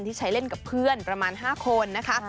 ที่ใช้เล่นกับเพื่อนประมาณ๕คนนะคะ